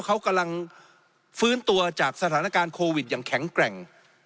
เขากำลังฟื้นตัวจากสถานการณ์โควิดอย่างแข็งแกร่ง